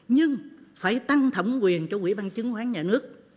nhưng phải tăng thẩm quyền cho quỹ ban chứng khoán nhà nước